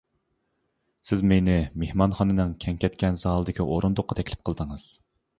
سىز مېنى مېھمانخانىنىڭ كەڭ كەتكەن زالىدىكى ئورۇندۇققا تەكلىپ قىلدىڭىز.